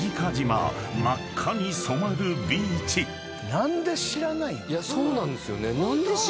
何で知らない？